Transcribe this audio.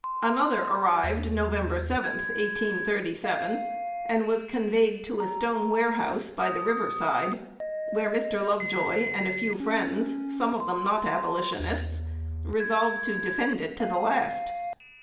Another arrived Nov. 7, 1837, and was conveyed to a stone warehouse by the riverside, where Mr. Lovejoy and a few friends (some of them not Abolitionists) resolved to defend it to the last.